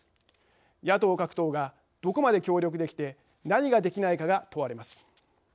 野党各党がどこまで協力できて何ができないかが問われます。